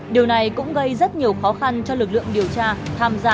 điều này cũng gây rất nhiều khó khăn cho lực lượng điều tra tham gia